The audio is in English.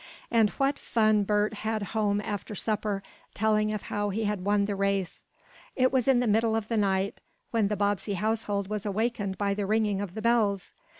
And what fun Bert had home after supper, telling of how he had won the race! It was in the middle of the night, when the Bobbsey household was awakened by the ringing of fire bells.